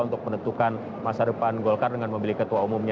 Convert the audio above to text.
untuk menentukan masa depan golkar dengan memilih ketua umumnya